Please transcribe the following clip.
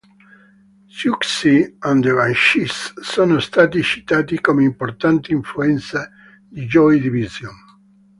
Siouxsie And The Banshees sono stati citati come importanti influenze di Joy Division.